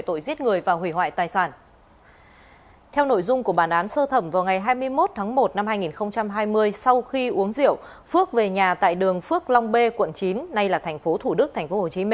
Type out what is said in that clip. theo nội dung của bản án sơ thẩm vào ngày hai mươi một tháng một năm hai nghìn hai mươi sau khi uống rượu phước về nhà tại đường phước long b quận chín nay là tp thủ đức tp hcm